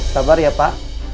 sabar ya pak